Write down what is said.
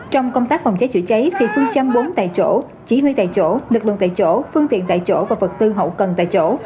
trong công tác phòng cháy chữa cháy thì phương châm bốn tại chỗ chỉ huy tại chỗ lực lượng tại chỗ phương tiện tại chỗ và vật tư hậu cần tại chỗ